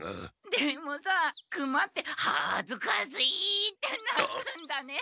でもさあクマって「はずかすぃ」って鳴くんだね。